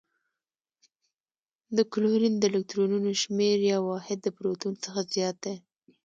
د کلورین د الکترونونو شمیر یو واحد د پروتون څخه زیات دی.